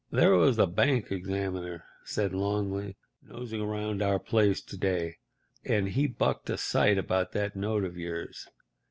"There was a bank examiner," said Longley, "nosing around our place to day, and he bucked a sight about that note of yours.